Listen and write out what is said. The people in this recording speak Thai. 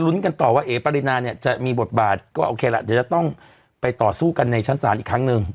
กันต่อว่าเอ๋ปรินาเนี่ยจะมีบทบาทก็โอเคละเดี๋ยวจะต้องไปต่อสู้กันในชั้นศาลอีกครั้งหนึ่ง